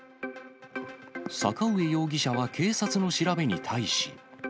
阪上容疑者は警察の調べに対し。